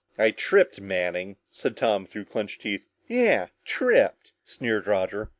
"I tripped, Manning," said Tom through clenched teeth. "Yeah! Tripped!" sneered Roger.